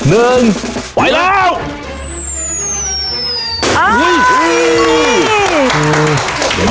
ไหลแล้ว